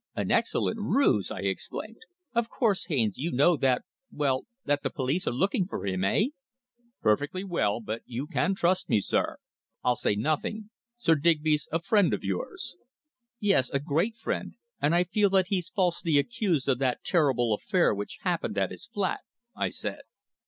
"An excellent ruse!" I exclaimed. "Of course, Haines, you know that well that the police are looking for him eh?" "Perfectly well, but you can trust me, sir. I'll say nothing. Sir Digby's a friend of yours." "Yes, a great friend, and I feel that he's falsely accused of that terrible affair which happened at his flat," I said.